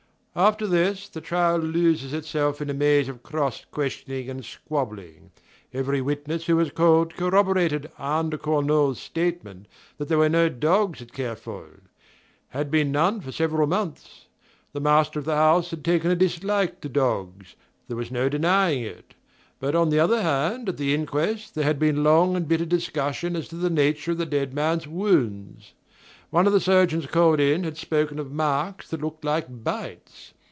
After this, the trial loses itself in a maze of cross questioning and squabbling. Every witness who was called corroborated Anne de Cornault's statement that there were no dogs at Kerfol: had been none for several months. The master of the house had taken a dislike to dogs, there was no denying it. But, on the other hand, at the inquest, there had been long and bitter discussion as to the nature of the dead man's wounds. One of the surgeons called in had spoken of marks that looked like bites.